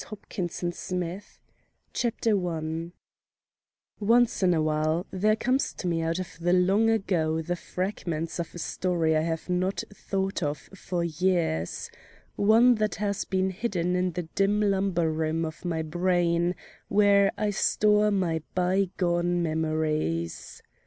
Hopkinson Smith 1909 I Once in a while there come to me out of the long ago the fragments of a story I have not thought of for years one that has been hidden in the dim lumber room of my brain where I store my by gone memories.